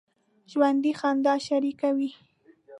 ژوندي خندا شریکه وي